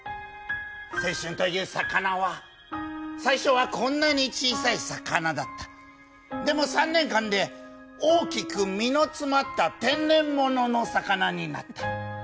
青春という魚は最初はこんなに小さい魚だったでも、３年間で大きく身の詰まった天然物の魚になった。